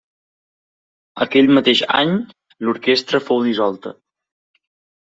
Aquell mateix any l'orquestra fou dissolta.